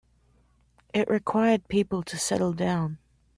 It required people to settle down.